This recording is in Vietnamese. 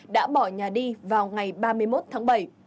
đã bỏ nhà đi vào ngày ba mươi một tháng bảy